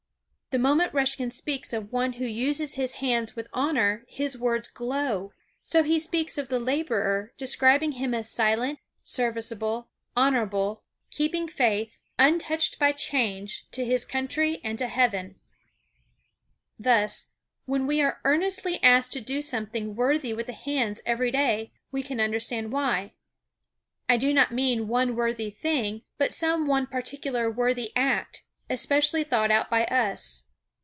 The moment Ruskin speaks of one who uses his hands with honor, his words glow. So he speaks of the laborer, describing him as "silent, serviceable, honorable, keeping faith, untouched by change, to his country and to Heaven." Thus, when we are earnestly asked to do something worthy with the hands every day, we can understand why. I do not mean one worthy thing, but some one particular worthy act, especially thought out by us.